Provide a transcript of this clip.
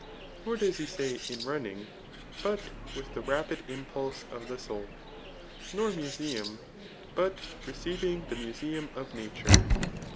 Nor does he say in runnings but with the rapid impulse of the soul Nor museum^ but receiving the museum of nature.